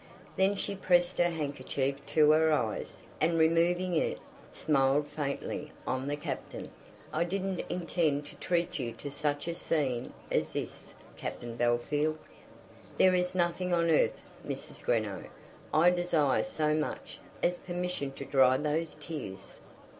Then she pressed her handkerchief to her eyes, and removing it, smiled faintly on the Captain. "I didn't intend to treat you to such a scene as this, Captain Bellfield." "There is nothing on earth, Mrs. Greenow, I desire so much, as permission to dry those tears."